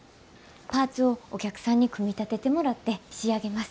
パーツをお客さんに組み立ててもらって仕上げます。